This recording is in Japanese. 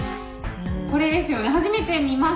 これですよね。